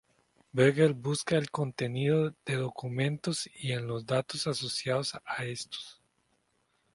Beagle busca en el contenido de documentos, y en los datos asociados a estos.